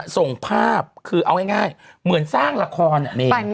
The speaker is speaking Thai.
ส่งภาพคือเอาง่ายเหมือนสร้างละคร